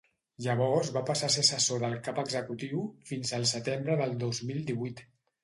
Llavors va passar a ser assessor del cap executiu fins el setembre del dos mil divuit.